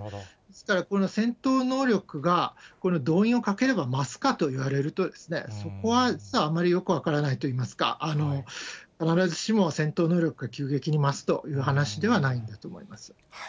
ですから、この戦闘能力がこの動員をかければ増すかと言われると、そこは実はあまりよく分からないといいますか、必ずしも戦闘能力が急激に増すという話ではないんだと思います。